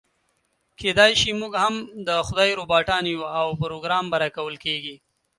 کيداشي موږ هم د خدای روباټان يو او پروګرام به راکول کېږي.